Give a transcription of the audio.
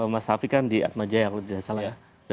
mas hafi kan di atmajaya kalau tidak salah ya